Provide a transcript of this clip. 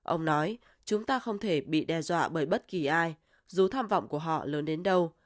ông nói chúng ta không thể bị đe dọa bởi bất kỳ ai dù tham vọng của họ lớn đến đâu